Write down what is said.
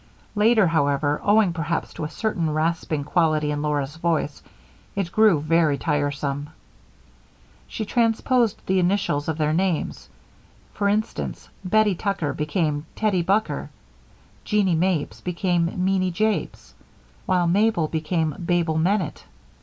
Later, however, owing perhaps to a certain rasping quality in Laura's voice, it grew very tiresome. She transposed the initials of their names. For instance, Bettie Tucker became Tettie Bucker, Jeanie Mapes became Meanie Japes, while Mabel became Babel Mennett.